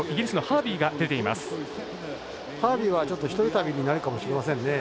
ハービーは１人旅になるかもしれませんね。